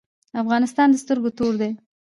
افغانستان د سترګو تور دی؟